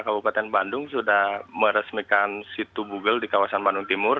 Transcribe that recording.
kabupaten bandung sudah meresmikan situ google di kawasan bandung timur